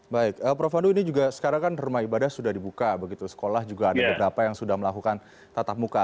baik prof pandu ini juga sekarang kan rumah ibadah sudah dibuka begitu sekolah juga ada beberapa yang sudah melakukan tatap muka